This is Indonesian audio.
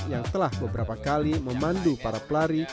yang telah beberapa kali memandu para pelari